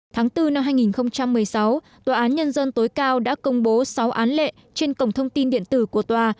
tháng bốn năm hai nghìn một mươi sáu tòa án nhân dân tối cao đã công bố sáu án lệ trên cổng thông tin điện tử của tòa